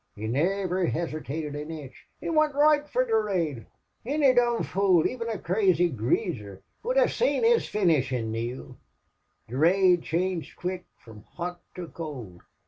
He niver hesitated an inch, but wint roight fer Durade. Any dom' fool, even a crazy greaser, would hev seen his finish in Neale. Durade changed quick from hot to cold.